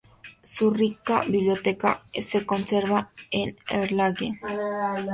Su rica biblioteca se conserva en Erlangen.